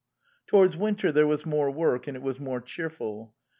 Toward winter there was more work and thirgs became more cheerful.